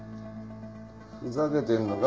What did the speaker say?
ふざけてるのか？